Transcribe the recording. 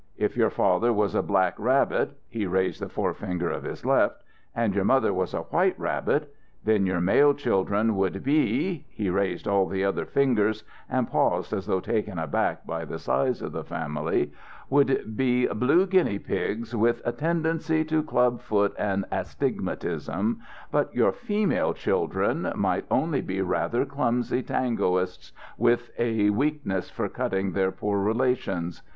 If your father was a black rabbit" he raised the forefinger of his left "and your mother was a white rabbit, then your male children would be" he raised all the other fingers and paused as though taken aback by the size of the family "would be blue guinea pigs, with a tendency to club foot and astigmatism, but your female children might only be rather clumsy tangoists with a weakness for cutting their poor relations.